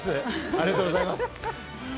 ありがとうございます。